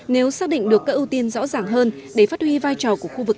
nếu xác định được các ưu tiên rõ ràng hơn để phát huy vai trò